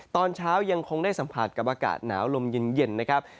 ตอนเช้ายังคงได้สัมผัสกับอากาศหนาวลมเย็นนะครับ